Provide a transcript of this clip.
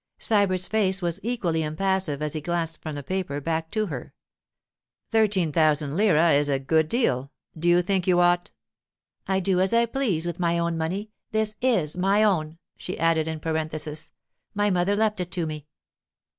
Sybert's face was equally impassive as he glanced from the paper back to her. 'Thirteen thousand lire is a good deal. Do you think you ought——' 'I do as I please with my own money—this is my own,' she added in parenthesis. 'My mother left it to me.